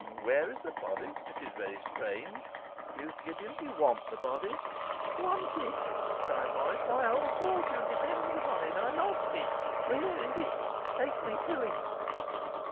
'Where is the body? This is very strange,' mused Gideon. 'Do you want the body?' 'Want it?' cried Morris. 'My whole fortune depends upon it! I lost it. Where is it? Take me to it?